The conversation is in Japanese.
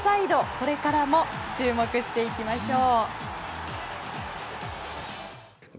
これからも注目していきましょう。